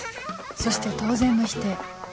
そして当然の否定